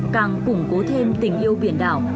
càng củng cố thêm tình yêu biển đảo